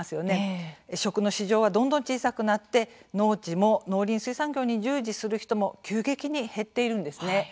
食の市場はどんどん小さくなって農地も農林水産業に従事する人も急激に減っているんですね。